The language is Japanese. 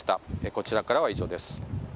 こちらからは以上です。